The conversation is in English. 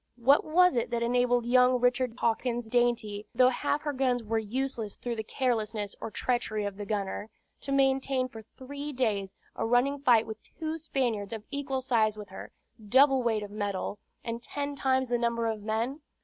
What was it that enabled young Richard Hawkins' Dainty, though half her guns were useless through the carelessness or treachery of the gunner, to maintain for three days a running fight with two Spaniards of equal size with her, double weight of metal, and ten times the number of men?